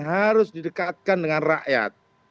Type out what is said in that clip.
harus didekatkan dengan rakyat